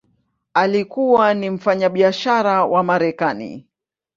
Alikuwa ni mfanyabiashara wa Marekani.